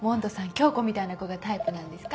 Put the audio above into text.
杏子みたいな子がタイプなんですか？